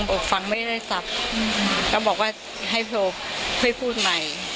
บอกฟังไม่ได้ทรัพย์อืมก็บอกว่าให้โทรให้พูดใหม่